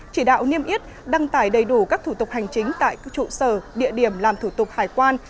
chỉ đạo niêm yết đăng tải đầy đủ các thủ tục hành chính tại trụ sở địa điểm làm thủ tục hải quan